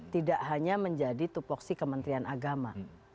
tidak hanya menjadi tupoksi kementerian agama